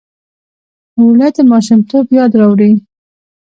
اوړه د ماشومتوب یاد راوړي